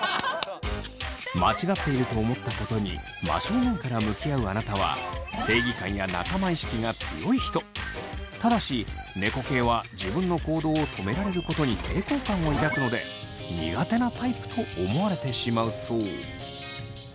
間違っていると思ったことに真正面から向き合うあなたはただし猫系は自分の行動を止められることに抵抗感を抱くので苦手なタイプと思われてしまうそう。